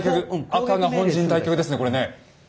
赤が本陣退却ですねこれね。